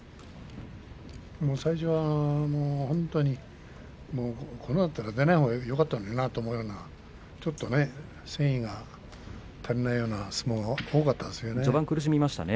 最初は本当にこれだったら出ないほうがよかったんじゃないかなと思うような戦意が足りないような相撲が多かったですよね。